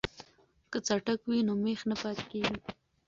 که څټک وي نو میخ نه پاتې کیږي.